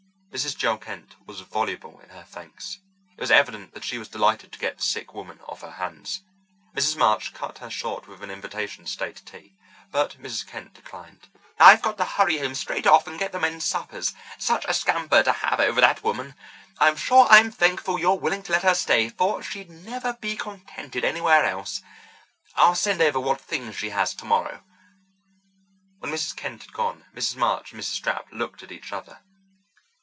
Mrs. Joel Kent was voluble in her thanks. It was evident that she was delighted to get the sick woman off her hands. Mrs. March cut her short with an invitation to stay to tea, but Mrs. Kent declined. "I've got to hurry home straight off and get the men's suppers. Such a scamper to have over that woman! I'm sure I'm thankful you're willing to let her stay, for she'd never be contented anywhere else. I'll send over what few things she has tomorrow." When Mrs. Kent had gone, Mrs. March and Mrs. Stapp looked at each other.